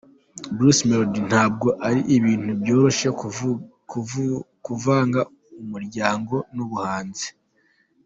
Bruce Melody: Ntabwo ari ibintu byoroshye kuvanga umuryango n’ubuhanzi.